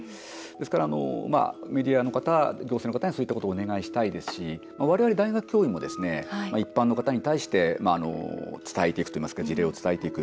ですから、メディアの方行政の方に、そういったことをお願いしたいですし我々、大学教員も一般の方に対して事例を伝えていく。